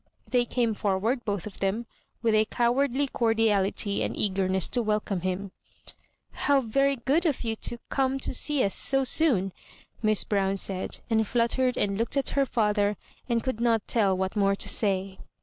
They came forward, both of them, with a cowardly cordiality and eagerness to welcome him —How very good of you to come to see us so soon 1 " Miss Brown said, and fluttered and looked at her father, and could not tell what more to say.